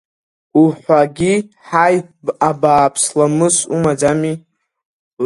Уҳәагьы, Ҳаи, абааԥс, ламыс умаӡами!